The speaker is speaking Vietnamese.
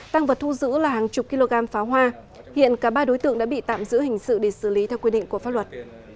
tăng vật thu giữ là hàng chục kg pháo hoa hiện cả ba đối tượng đã bị tạm giữ hình sự để xử lý theo quy định của pháp luật